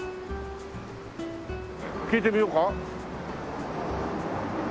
聞いてみようか？